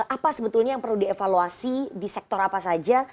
apa sebetulnya yang perlu dievaluasi di sektor apa saja